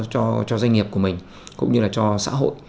cho doanh nghiệp của mình cũng như là cho xã hội